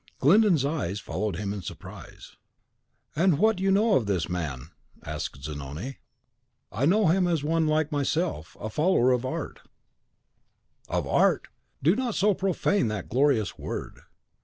Glyndon's eyes followed him in surprise. "And what know you of this man?" said Zanoni. "I know him as one like myself, a follower of art." "Of ART! Do not so profane that glorious word.